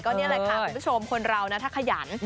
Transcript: นี่แหละค่ะคุณผู้ชมคนเรานะถ้าขยัน